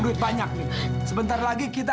duit banyak sebentar lagi kita